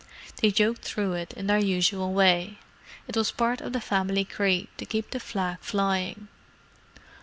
They joked through it in their usual way: it was part of the family creed to keep the flag flying.